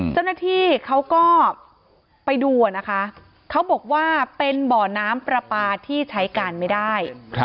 เจ้าหน้าที่เขาก็ไปดูนะคะเขาบอกว่าเป็นบ่อน้ำปลาปลาที่ใช้การไม่ได้